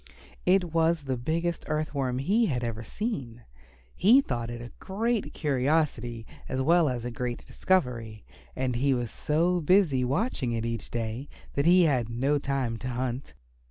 It was the biggest Earth Worm he had ever seen. He thought it a great curiosity as well as a great discovery, and he was so busy watching it each day that he had no time to hunt.